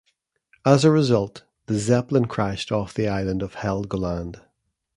As a result, the zeppelin crashed off the island of Helgoland.